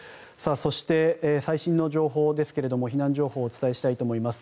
そして、最新の情報ですが避難情報をお伝えしたいと思います。